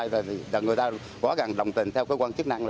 là người ta quá gần đồng tình theo cơ quan chức năng